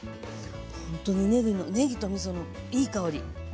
本当にねぎとみそのいい香り。